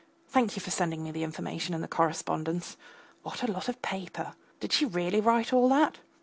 Thank you for sending me the information and the correspondence. What a lot of paper. Did she really write all that?